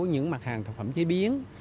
những mặt hàng thực phẩm chế biến